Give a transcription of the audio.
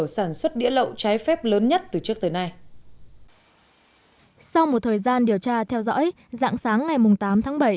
sau một thời gian điều tra theo dõi dạng sáng ngày tám tháng bảy